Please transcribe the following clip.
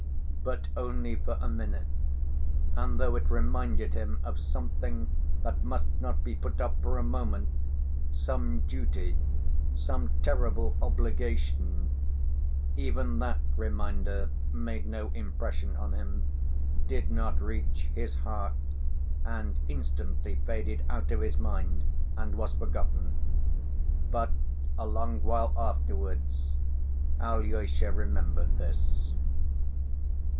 But only for a minute, and though it reminded him of something that must not be put off for a moment, some duty, some terrible obligation, even that reminder made no impression on him, did not reach his heart and instantly faded out of his mind and was forgotten. But, a long while afterwards, Alyosha remembered this.